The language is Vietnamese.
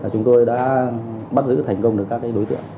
chúng tôi đã bắt giữ thành công được các đối tượng